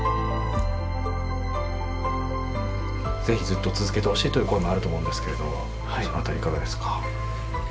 ぜひずっと続けてほしいという声もあると思うんですけれどもその辺りいかがですか？